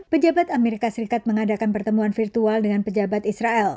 pejabat amerika serikat mengadakan pertemuan virtual dengan pejabat israel